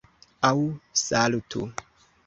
Aŭ saltu